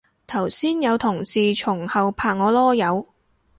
頭先有同事從後拍我籮柚